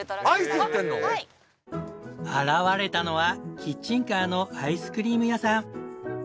現れたのはキッチンカーのアイスクリーム屋さん。